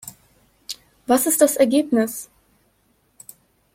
Was ist das Ergebnis?